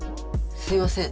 すいません。